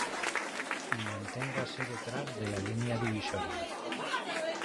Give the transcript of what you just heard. Manténgase detrás de la línea divisoria.